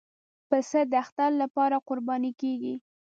پسه د اختر لپاره قرباني کېږي.